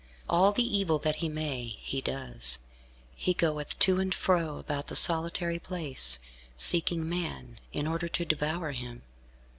All the evil that he may, he does. He goeth to and fro, about the solitary place, seeking man, in order to devour him.